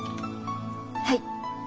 はい。